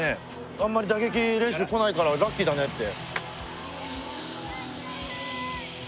あんまり打撃練習来ないからラッキーだねって。